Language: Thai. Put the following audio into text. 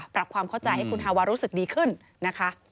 ปรับความเข้าใจให้คุณฮาวารู้สึกดีขึ้นนะคะ